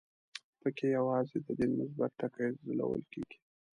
په کې یوازې د دین مثبت ټکي ځلول کېږي.